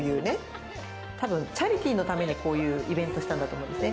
多分チャリティーのためにイベントをしたんだと思うんですね。